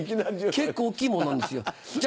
結構大っきいものなんですよじゃ